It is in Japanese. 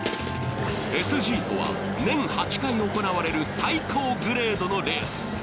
ＳＧとは年８回行われる最高グレードのレース。